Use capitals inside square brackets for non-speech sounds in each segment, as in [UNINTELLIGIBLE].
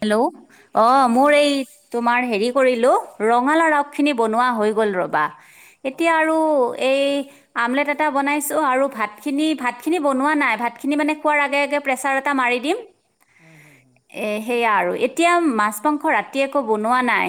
Hello! অ', মোৰ এই তোমাৰ হেৰি কৰিলোঁ, ৰঙালাও আগ খিনি বনোৱা হৈ গ'ল ৰ'বা, এতিয়া আৰু এই আমলেট এটা বনাইছোঁ, আৰু ভাতখিনি, ভাতখিনি বনোৱা নাই, ভাতখিনি মানে খোৱাৰ আগে, আগে প্ৰেছাৰ এটা মাৰি দিম। উম, হুম, হুম, এ, সেয়া আৰু, এতিয়া মাছ, মাংস ৰাত বনোৱা নাই,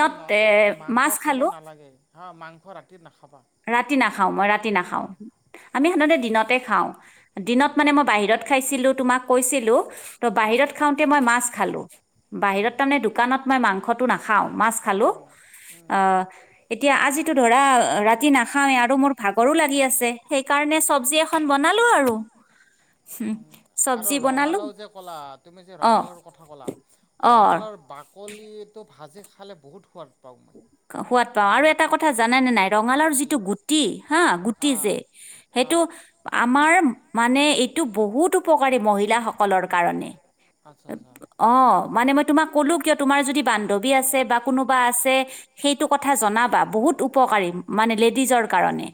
এই এ, মাংস মাছ খাব খালোঁ। নালাগে হা মাংস ৰাতি নাখাবা। ৰাতি নাখাওঁ, মই ৰাতি নাখাওঁ, আমি সাধাৰণতে দি দিনতে খাওঁ, দিনত মানে মই বাহিৰত খাইছিলোঁ, তোমাক কৈছিলোঁ, ত' বাহিৰত খাওঁ তে, মই মাছ খালোঁ, বাহিৰত খালোঁ। তামানে দোকানত মই মাংসটো নাখাওঁ। মাছ খালোঁ, অ', এতিয়া আজি টো, ধৰা ৰাতি নাখাওঁয়ে আৰু মোৰ ভাগৰো লাগি আছে, সেইকাৰণে চবজি এখ বনালোঁ আৰু, আৰু চবজি বনালোঁ। ৰঙালাও যে ক'লা তুমি যে অঁ ৰঙালাওৰ কথা ক'লা, অঁ ৰঙালাওৰ বাকলিটো ভাজি খালে বহুত সোৱাদ পাওঁ। সোৱাদ পাওঁ আৰু জানানে? এটা কথা জানানে নাই? ৰঙালাওৰ যিটো গুটি হা, গুটি যে, সেইটো অ' আমাৰ মানে এইটো বহুত উপকাৰী মহিলা সকলৰ কাৰণে। আচ্ছা আচ্ছা অ', মানে মই তোমাক ক'লো কিয়? তোমাৰ যদি বান্ধৱী আছে, বা কোনোবা আছে। সেইটো কথা জনাবা, বহুত উপকাৰী মানে লেডিজৰ কাৰণে।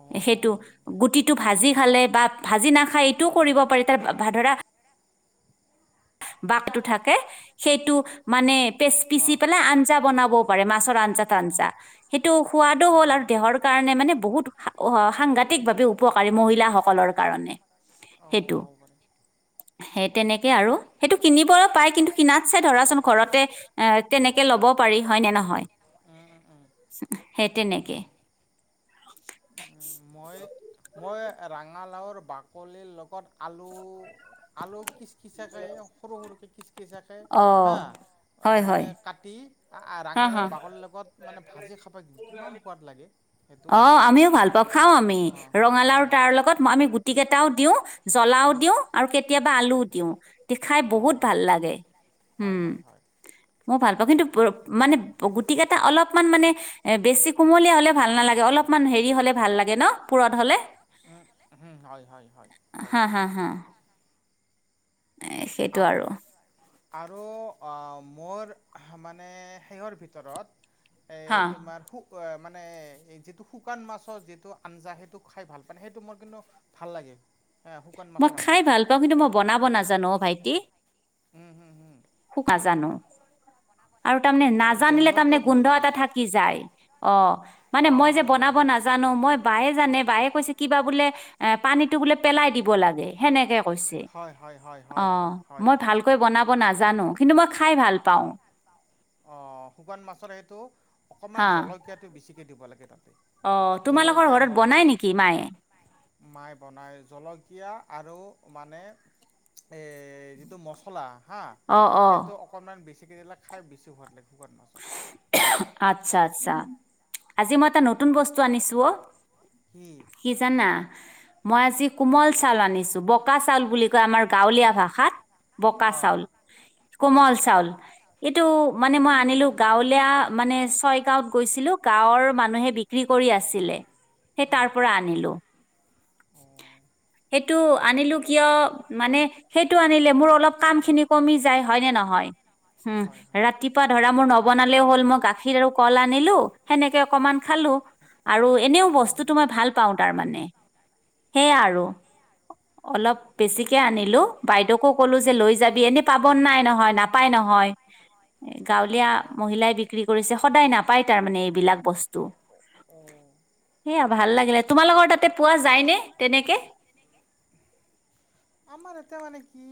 অ' সেইটো হ'ব দে গুটিটো ভাজি খালে বা ভাজি নাখায় এইটোও কৰিব পাৰি তা-ভা ধৰা [UNINTELLIGIBLE] থাকে সেইটো মানে পেচ-পিচি অ' পেলাই আঞ্জা বনাব পাৰে। মাছৰ আঞ্জা তাঞ্জা [UNINTELLIGIBLE] টো, সোৱাদো হ'ল আৰু অ'। দেহৰ কাৰণে মানে বহুত অ', সাংঘাতিক ভাৱে উপকাৰী মহিলা সক কলৰ কাৰণে অ' সেইটো। হ'ব পাৰে। সেই তেনেকে আৰু সেইটো কিনিব পায়, কিন্তু কিনাতচে ধৰাচোন ঘৰতে এ, তেনেকে ল'ব পাৰি হয় ন নহয়। উম উম উম। সেই তেনেকেই। মই মই ৰঙালাওৰ বাকলিৰ লগত আলু আলু কিচ কিচক সৰু সৰুক কিচ কিচাকে অ হাঁ হয় হয় মানে কাটি হা হা ৰাঙালাওৰ বাকলিৰ লগত মানে ভাজি খাবা কিন্ত কিমান সোৱাদ লাগে। সেইটো অ বাকলিটো আমিও ভাল পাওঁ খাওঁ আমি অঁ ৰঙালাও হয় হয় তাৰ লগত আমি গুটি কেইটাও দিওঁ জ্বলাও অঁ দিও আৰু কেতিয়াবা আলুও দিও। খাই বহুত ভাল লাগে। হয় উম হয় হয় মই ভাল কিন্তু মানে গুটি কেইটা অলপমান মানে এ বেছি কোমলীয়া হ'লে ভাল নালাগে। অলপমান হেৰি হ'লে ভাল লাগে ন। পুৰত হ'লে উ হয়, হয়, হয়, হয়। হা হা হা এ সেইটো আৰু আৰু মোৰ মানে সেহৰ ভিতৰত হা এ তোমাৰ শু মানে যিটো শুকান মাছৰ যিটো আঞ্জা সেইটো খাই ভাল পানে সেইটো মোৰ কিন্তু ভাল লাগে হে, শুকান মই মাছৰ খাই আঞ্জাটো ভাল। পাওঁ কিন্তু মই বনাব নাজানো অ ভাইটি। উম, হম হম শুকাজানো আৰু তাৰমানে মানে নাজানিলে গোন্ধটোও তাৰমানে ভাল গোন্ধ লাগে এটা থাকি যায় অ। মানে অঁ মই যে হয় হয় বনাব হয় নাজানো। মই বায়ে জানে বায়ে কৈছে কিবা বোলে এ পানীতো বোলে পেলাই দিব লাগে সেনেকে হয় হয় হয় হয় অ' হয় হয় মই ভালকৈ বনাব নাজানো। নাজানো কিন্তু মই খাই ভাল পাওঁ। অ শুকান মাছৰ সেইটো হা অকণমান জলকীয়াটো বেছিকে দিব লাগে তাত। অ' তোমালোকৰ ঘৰত বনাই নেকি মায়ে। মাই বনায় জলকীয়া আৰু মানে এ যিটো মচলা হা অ' অ' সেইটো অকনমান বেচিকে দিলে খাই বেছি সোৱাদ লাগে। শুকান মাছত আচ্ছা, আচ্ছা আজি মই এটা নতুন বস্তু আনিছো অ' সি কি জানা মই আজি কোমল চাউল আনিছো বকা চাউল বুলি কয় আমাৰ গাঁৱলীয়া ভাষাত। বকা অঁ চাউল কোমল চাউল এইটো মানে মই আনিলো। গাঁৱলীয়া মানে ছয় গাঁৱত গৈছিলো। গাঁৱৰ মানুহে বিক্ৰী কৰি আছিলে। সেই উম তাৰ পৰা আনিলো। সেইটো আনিলো কিয় মানে সেইটো আনিলে মোৰ অলপ কাম খিনি কমি যায় হয় ন নহয়। অঁ উম হয় হয় ৰাতিপুৱা ধৰা মোৰ ন বনালেও হ'ল মই গাখীৰ আৰু কল আনিলো সেনেকে অকমান খালো। আৰু এনেও বস্তুটো মই ভাল পাওঁ তাৰ মানে সেয়া আৰু অলপ বেছিকে আনিলো বাইদেউকো কলো যে লৈ যাবি এনে পাব নাই নহয় নাপাই নহয়। এইটো গাঁৱলীয়া ভালে সিবিলাক বিক্ৰী কৰিছে সদায় নাপায় মানে সেই বিলাক বস্তু বস্তু লাগিলে তোমালোকৰ তাতে পোৱা যায় ন তেনেকে। আমাৰ এতিয়া মানে কি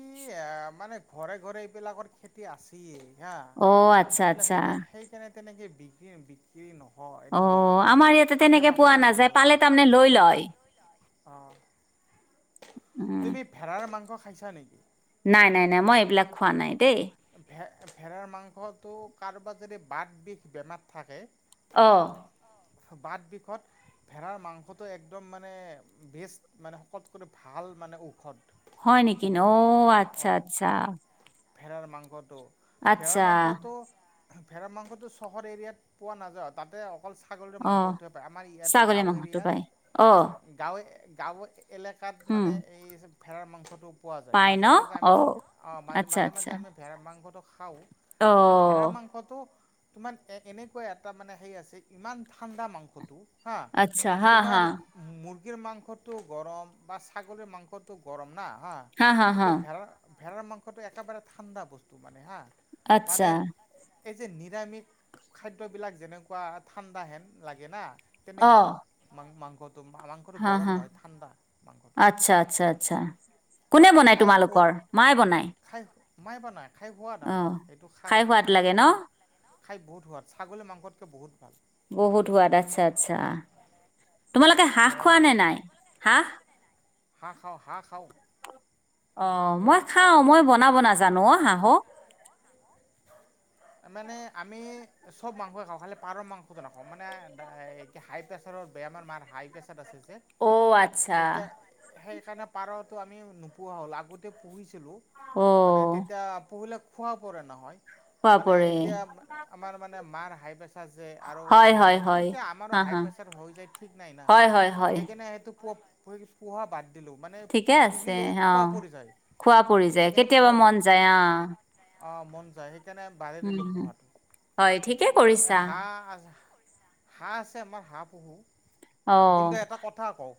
মানে ঘৰে, ঘৰে এইবিলাকৰ খেতি আছেে। অ আচ্ছা এইবিলাক আচ্ছা সেই সেইকাৰণে তেনেকে বিক্ৰী বিক্ৰী নহয়। এইটো অ গুৱাহাটীৰ 'আমাৰ ইয়াতে আশে তেনেকে পাশে পোৱা সেইটো নাযায় হয় পালে আৰু তাত মানে লৈ লয়। অঁ উম তুমি ভেৰাৰ মাংস খাইছা নেকি। নাই, নাই, নাই, মই এইবিলাক খোৱা নাই দেই। ভে ভেৰাৰ মাংসটো কাৰোবাৰ যদি বাট বিষ বেমাৰ থাকে অ' বাট বিষত ভেড়াৰ মাংসটো একদম মানে বেষ্ট মানে সকলকৰি ভাল। মানে ঔষধ। হয় নেকি? ক'ব অ' আচ্ছা-আচ্ছা, ভেৰাৰ মাংসটো, ভেৰাৰ মাংসটো ভেৰা মাংসটো চহৰ এৰিয়াত পোৱা নাযাওঁ তাতে। অকল ছাগলীৰ অ মাংস টোহে পায় আমাৰ ইয়াতে ছাগলী গাঁৱ মাংসটো এৰিয়াত পাই অ গাঁৱত এলেকাত উম মানে এই ভেৰাৰ মাংসটো পোৱা যায় পাই ন মাজে-মাজে আমি অ অ' আচ্ছা মাজে-মাজে-মাজে আচ্ছা আমি ভেড়াৰ মাংসটো খাওঁ অ ভেড়া মাংসটো, তোমাৰ এ এনেকুৱা এটা মানে হে আছে ইমান ঠাণ্ডা মাংসটো। হা আচ্ছা হা তোমাৰ হা মোৰ মুৰ্গীৰ মাংসটো গৰম বা ছাগলীৰ মাংসটো গৰম না হা হা কিন্তু হা ভেৰাৰ ভেড়াৰ মাংসটো একেবাৰে ঠাণ্ডা বস্তু মানে হা। মানে আচ্ছা, এই যে নিৰামিষ খাদ্যবিলাক যেনেকুৱা ঠাণ্ডা হেন লাগে না। অ তেনেকুৱা মাংসটো। মাংসটো হা গৰম হা নহয় ঠাণ্ডা মাংসটো। আচ্ছা, আচ্ছা, আচ্ছা। আৰু কোনে বনায় খাই খোৱা তোমালোকৰ মায়ে বনায়। খাই মাই বানাই খাই সোৱাদ আমাৰ সেইটো খাওঁক সোৱাদ আমি লাগে খাওঁ ন। খাই বহুত সোৱাদ ছাগী মাংসতকৈ বহুত ভাল। বহুত সোৱাদ আচ্ছা-আচ্ছা, তোমালোকে হাঁহ ভেৰাৰ খোৱা নে মাংসটো নাই হাঁহ। হাঁহ খাওঁ, হাহ খাওঁ। অ' মই হাঁহ খোৱা খাও পৰে মই বনাব নাজানো অ' হাঁহো ইমান আমি চব মাংসেই খাওঁ খালি পাৰৰ মাংসটো নাখাওঁ মানে হাই প্ৰেছাৰৰ বেমাৰ মাৰ হাই পেচাত আচেজী। অ' আচ্ছা, সেইকাৰণে পাৰতো আমি নোপোহা হ'ল আগতে পুহিছিলোঁ মানে অ', তেতিয়া পুহিলে, খোৱা পৰে নহয় মানে বাপৰে! এতিয়া আমাৰ মানে মাৰ হাই প্ৰেচাৰ, যে আৰু হয়, হয়, মানে হয়। কেতিয়া আমাৰো হা, হাই হা। প্ৰেচাৰ হৈ যায় ঠিক নাই না। হয়, হয়, হয়। সেইকাৰণে সেইটো প পোহা বাদ দিলোঁ মানে ঠিকে আছে পুহিলে খোৱা অ' পৰি যায় খোৱা পৰি যায় কেতিয়াবা মন যায় আহ। অ' মন যায় সেইকাৰণে বাদে দিলোঁ পোহাটো হয়, ঠিকে এই কৰিছা। হাঁহ আ হাঁহ আছে আমাৰ হাঁহ পুহু অ', কিন্তু এটা কথা কওঁ,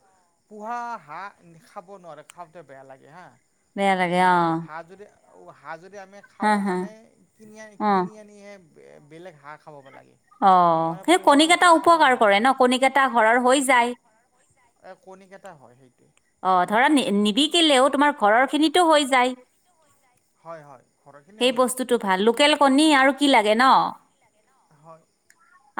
পুহা হাঁ খাব নোৱাৰে খাওঁতে বেয়া লাগে হা। বেয়া লাগে অ', আৰু হাঁহ যদি আমি হা, খাও হা, মানে কিনি আ অ'। কিনি আনিহে বেলেগ হাঁহ খাব লাগে। অ' মানে সেই পোহা কণী বস্তু এটা উপকাৰ কৰে ন কণীক এটা ঘৰৰ হৈ যায় এ কণী কেইটা হয় সেইটোৱে। অ' ধৰা নিবিকিলেও তোমাৰ ঘৰৰ খিনিতো হৈ যায়। হয়-হয় ঘৰৰখিনি সেই হৈ বস্তুটো ভাল লোকেল যায়। কণী আৰু কি লাগে ন, হয়,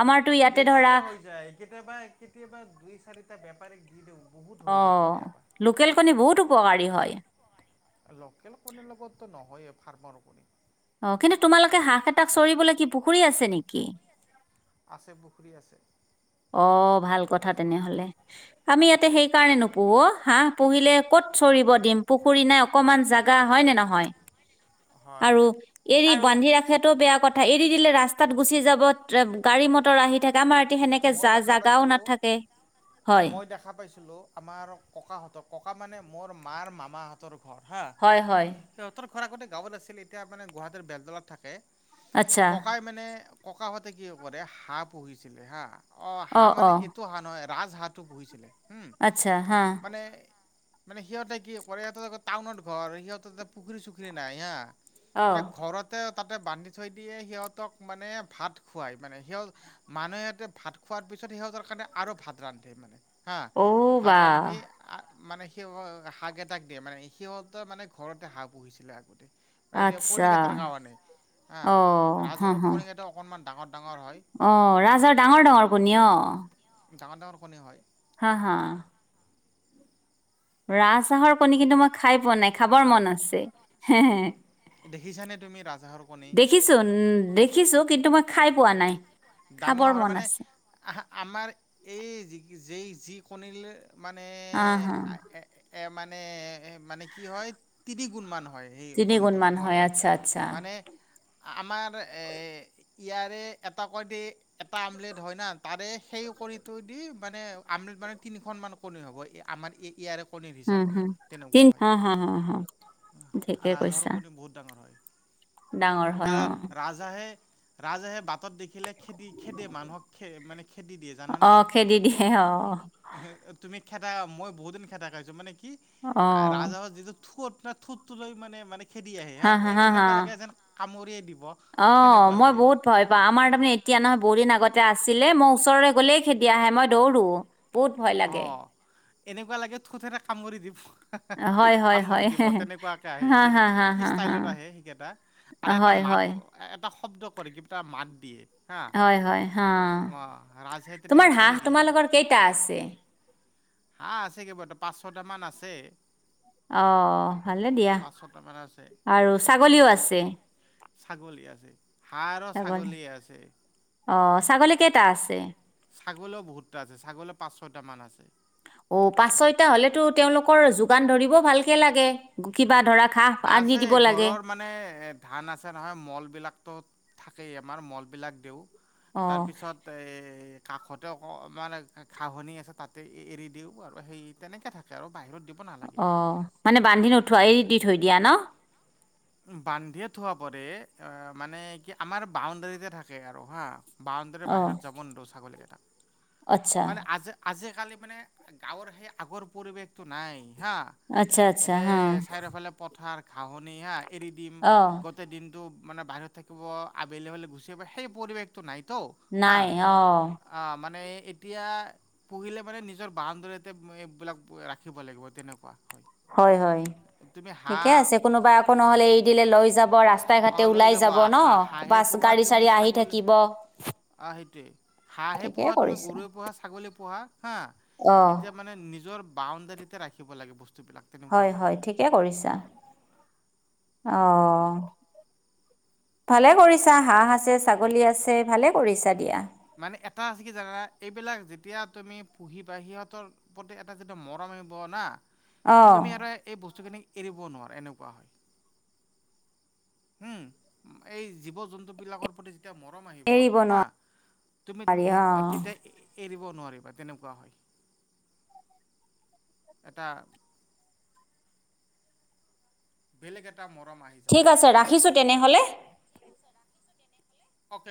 আমাৰতো ইয়াতে ধৰা বেছিয়ে হৈ যায় কেতিয়াবা-কেতিয়াবা দুই চাৰিটা বেপাৰীক দি দিওঁ। বহুত হৈ যায় অ' কেতিয়াবা লোকেল কণী বহুত উপকাৰী হয়। লোকেল কণীৰ লগতো নহয়ে ফাৰ্মৰ কণী, অ' কিন্তু তোমালোকে হাঁহ কেইটাক চৰিবলৈ কি পুখুৰী আছে নেকি? আছে পুখুৰী আছে। অ' ভাল পুখুৰী কথা আছে তেনেহলে আমি ইয়াতে সেই সেইকাৰণে নোপোহো হা পুহিলে ক'ত চৰিব দিম পুখুৰী নাই অকমান জাগা হয় নে নহয়? হয় আৰু হয় এৰি বান্ধি ৰাখাটো বেয়া কথ থা এৰি দিলে ৰাস্তাত গুচি যাব [UNINTELLIGIBLE] গাড়ী মটৰ আহি থাকে আমাৰ [UNINTELLIGIBLE] এ মই দেখা জা-জাগাও পাইছিলোঁ নাথাকে হয়। মোৰ আমাৰ ককাহঁতৰ ককা মানে মোৰ মাৰ মামাহঁতৰ হয়-হয়। তোমাৰ আগতে গাঁৱলৈ আছিল এতিয়া মানে গুৱাহাটীৰ বেলতলাত থাকে আচ্ছা ককাই মানে ককাহঁতে কি কৰে হাঁহ পুহিছিলে হা অ, হাঁহ মানে এইটো হাঁহ নহয় ৰাজহাঁহটো পুহিছিলে। হম আচ্ছা, হা মানে মানে সিহঁতে কি কৰে সিহঁতে টাউনত ঘৰ সিহঁতৰ পুখুৰী চুখুৰী নাই হা। অ মানে ঘৰতে তাতে বান্ধি থৈ দিয়ে সিহঁতক মানে ভাত খোৱাই মানে সিহঁত মানুহে ভাত খোৱাৰ পিছত সিহঁতৰ কাৰণে আৰু ভাত ৰান্ধে মানে হা অ' ভাত বা ৰান্ধি মানে সি হাঁহকেটাক দিয়ে মানে সিহঁতে মানে ঘৰতে হাঁহ পুহিছিলে আগতে। আচ্ছা কণীকেইটাৰ কাৰণে আহ অ হা ৰাজহাঁহৰ হা কণী কেইটা অকনমান ডাঙৰ। ডাঙৰ হয় অ' হা ৰাজহাঁহৰ ডাঙৰ ডাঙৰ কণী অ'। ডাঙৰ- ডাঙৰ কণী হয়। হা হা। ৰাজহাঁহৰ কণী কিন্তু মই খাই পোৱা নাই খাবৰ মন আছে। দেখিছানে তুমি ৰাজহাঁহৰ কণী? দেখিছো দেখিছো কিন্তু মই খাই পোৱা নাই। ডাঙৰ খাবৰ হয় মন মানে আছে আহ আমাৰ এই যেই যি কণী [UNINTELLIGIBLE] মানে হা হা এ এ মানে মানে কি হয় তিনি গুণ মান হয় [INAUDIBLE] হয়, তিনি গুণ কণীটো মান ডাঙৰ হয় আচ্ছা আচ্ছা মানে আমাৰ ইয়াৰে [UNINTELLIGIBLE] দি এটা আমলেট হয় না তাৰে সেই কণীটো দি মানে আমলেট মানে তিনিখন মান [UNINTELLIGIBLE] হব এই আমাৰ ইয়াৰে কণীৰ উম হিচাপত হম তেনেকুৱা তিন হয়, হা হা হা হা ঠিকে ৰাজহাঁহৰ কৈছা কণী বহুত ডাঙৰ হয়। ডাঙৰ হয় আৰু অ ৰাজহাঁহে - ৰাজহাঁহে বাটত -খিলে খেদি খেদে মানুহক খে মানে খেদি দিয়ে জানানে? অ খেদি দিয়ে অ তুমি খেদা মই বহুত দিন খেদা খাইছো মানে কি অ ৰাজহাঁহত যিটো ঠোঁট নে ঠোঁটটো লৈ মানে-মানে খেদি আহে হা, এ-এনেকুৱা লাগে যেন কামুৰিয়ে দিব, অ তেনেকুৱা মই লাগে। বহুত ভয় পাওঁ আমাৰ তাৰমানে এতিয়া নহয়, বহু দিন আগতে আছিলে, মই ওচৰলৈ গ'লেই খেদি আহে, মই দৌৰো। বহুত ভয় অ লাগে। এনেকুৱা লাগে ঠোঁটেৰে কামুৰি দিব। হয় হয় হয় কামুৰি দিব, তেনেকুৱাকে আহে, হা হা হা কি হা হা ষ্টাইলত আহে সেইকেইটা আৰু এটা হয় হয় মাত-এটা শব্দ কৰে, কিবা এটা মাত দিয়ে। হা হয় হয়, অ', ৰাজহাঁহে তোমাৰ তেনেকে হাঁহ খেদি দিয়ে তোমালোকৰ কেইটা আছে? হাঁহ আছে কেইবাটাও, পাঁচ-ছয়টা মান আছে। অ', ভালে দিয়া, পাঁচ ছটামান আছে আৰু ছাগলীও আছে? ছাগলী আছে, হাঁহ আৰু ছাগলী আছে। অ ছাগলী কেইটা আছে? ছাগলীও বহুতটা আছে, ছাগলীও পাঁচ-ছয়টা মান আছে। অ' পাঁচ-ছয়টা হ'লেতো তেওঁলোকৰ যোগান ধৰিব ভালকে লাগে, কিবা ধৰা ঘাঁহ আনি আছে, দিব লাগে ঘৰৰ মানে এ-ধান আছে নহয়, মল বিলাকতো থাকেই আমাৰ, মলবিলাক দিওঁ, অ তাৰপিছত এ কাষতে অকমান ঘাঁহনি আছে, তাতে এৰি দিওঁ আৰু সেই তেনেকৈ থাকে আৰু। বাহিৰত দিব নালাগে। অ', মানে বান্ধি নোথোৱা, এৰি দি থৈ দিয়া ন? বান্ধিয়ে থোৱা পৰে, মানে কি আমাৰ বাউণ্ডেৰীতে থাকে আৰু হা বাউণ্ডেৰীৰ অ বাহিৰত যাব নিদিওঁ ছাগলীকেইটাক, আচ্ছা মানে আজ-আজি কালি মানে গাঁৱৰ সেই আগৰ পৰিৱেশটো নাই হা, আচ্ছা আচ্ছা যে হা চাৰিওফালে পথাৰ, ঘাঁহনি হা এৰি দিম, অ গোটেই দিনটো মানে বাহিৰত থাকিব, আবেলি হ'লে গুচি আহিব, সেই পৰিৱেশটো নাই তো হা নাই অ আ মানে এতিয়া পুহিলে মানে নিজৰ বাৱন্দাৰীতে এইবিলাক ৰাখিব লাগিব তেনেকুৱা। হয় হয়-হয়, তুমি ঠিকে হাঁহ আছে কোনোবাই আকৌ নহ'লে এৰি দিলে লৈ যাব। ৰাস্তাই ঘাটে অঁ লৈ ওলাই যাবা যাব ন হাঁহ হাঁহে বাছ গাড়ী চাৰী আহি থাকিব। অ সেইটোৱে, হাঁহে ঠিকে পোহা তুমি কৰিছা গৰুৱে পোহা ছাগলী পোহা হা অ এতিয়া মানে নিজৰ বাউণ্ডাৰীতে ৰাখিব লাগে বস্তু হয় হয়, ঠিকে কৰিছা। অ'। ভালে কৰিছা হাঁহ আছে ছাগলী আছে ভালে কৰিছা দিয়া। মানে এটা আছে কি জানানা এইবিলাক যেতিয়া তুমি পুহিবা সিহঁতৰ প্ৰতি এটা যিটো মৰম অ [UNINTELLIGIBLE] তুমি আৰু এই বস্তুখিনিক এৰিব নোৱাৰা এনেকুৱা হয়। উম, এই জীৱ জন্তু বিলাকৰ প্ৰতি যেতিয়া মৰম আহিব এৰিব হা তুমি নোৱাৰি অ তেতিয়া এৰিব নোৱাৰিবা তেনেকুৱা হয়। এটা বেলেগ এটা মৰম আহি যাব ঠিক আছে তেতিয়া ৰাখিছো তেনেহ'লে। অ'কে